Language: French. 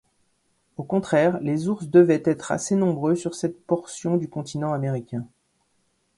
Au contraire, les ours devaient être assez nombreux sur cette portion du continent américain.